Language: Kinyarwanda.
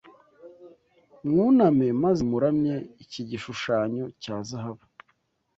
mwuname maze muramye iki gishushanyo cya zahabu